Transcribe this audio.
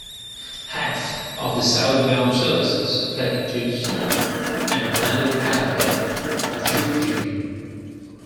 Half of the southbound services head to Suwon, and another half head Jukjeon.